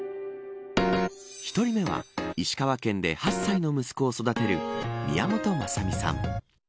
１人目は石川県で８歳の息子を育てる宮本まさみさん。